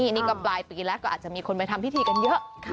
นี่ก็ปลายปีแล้วก็อาจจะมีคนไปทำพิธีกันเยอะ